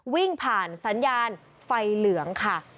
วิ่งผ่านสัญญาณไฟเหลืองค่ะ